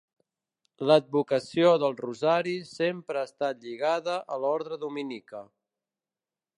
L'advocació del Rosari sempre ha estat lligada a l'Orde Dominica.